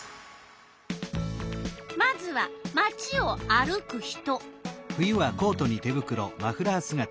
まずは町を歩く人。